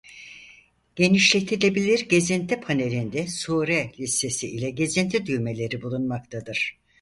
Genişletilebilir gezinti panelinde sûre listesi ile gezinti düğmeleri bulunmaktadır.